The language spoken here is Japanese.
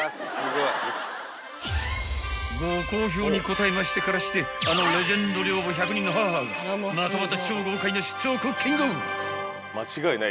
［ご好評に応えましてからしてあのレジェンド寮母１００人の母がまたまた超豪快な出張クッキング］